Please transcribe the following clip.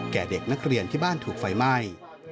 แก่เด็กนักเรียนที่บ้านถูกไฟไหม้